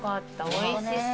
おいしそう。